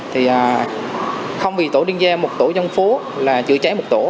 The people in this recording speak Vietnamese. thì không vì tổ liên gia một tổ chống phố là chữa cháy một tổ